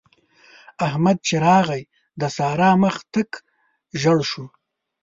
احمد چې راغی؛ د سارا مخ تک ژړ شو.